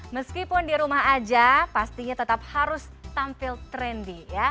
meskipun di rumah aja pastinya tetap harus tampil trendy ya